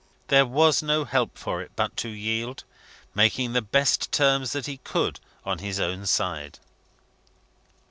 There was no help for it but to yield, making the best terms that he could on his own side.